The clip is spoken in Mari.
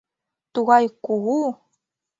Тугай кугу!